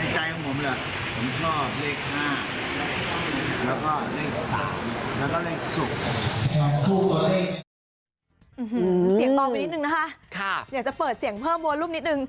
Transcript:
เสียงต่อไปนิดนึงนะคะอยากจะเปิดเสียงเพิ่มวัลรูปนิดนึง